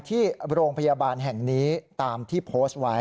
ที่โรงพยาบาลแห่งนี้ตามที่โพสต์ไว้